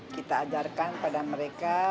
kita ajarkan pada mereka